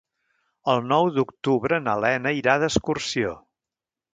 El nou d'octubre na Lena irà d'excursió.